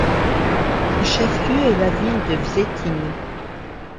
Son chef-lieu est la ville de Vsetín.